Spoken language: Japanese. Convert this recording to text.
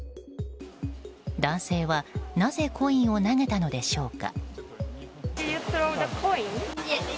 男性はなぜコインを投げたのでしょうか。